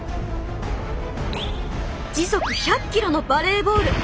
時速１００ｋｍのバレーボール。